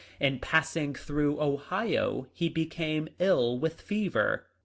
In passing through Ohio he became ill with a fever.